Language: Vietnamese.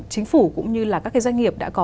chính phủ cũng như các doanh nghiệp đã có